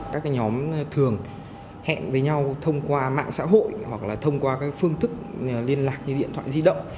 các nhóm thường hẹn với nhau thông qua mạng xã hội hoặc là thông qua các phương thức liên lạc như điện thoại di động